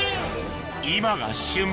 今が旬